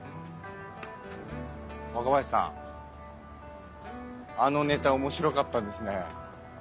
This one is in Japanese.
若林さんあのネタ面白かったんですね。